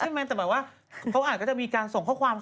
ใช่ไหมแต่แบบว่าเขาอาจจะมีการส่งข้อความ